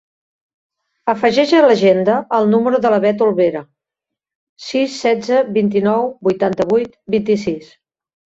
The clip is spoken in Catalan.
Afegeix a l'agenda el número de la Bet Olvera: sis, setze, vint-i-nou, vuitanta-vuit, vint-i-sis.